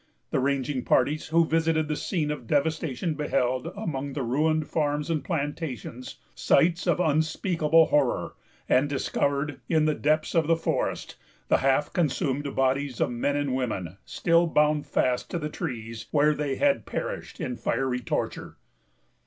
The ranging parties who visited the scene of devastation beheld, among the ruined farms and plantations, sights of unspeakable horror; and discovered, in the depths of the forest, the half consumed bodies of men and women, still bound fast to the trees, where they had perished in the fiery torture.